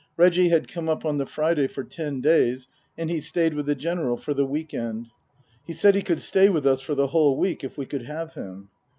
Reggie had come up on the Friday for ten days, and he stayed with the General for the week end. He said he could stay with us for the whole week if we could have him.